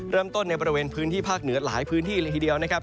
เริ่มต้นในประเวนพื้นที่ภาคเหนือหลายพื้นที่ทีเดียวนะครับ